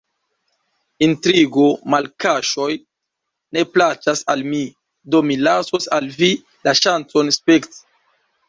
Intrigo-malkaŝoj ne plaĉas al mi, do mi lasos al vi la ŝancon spekti.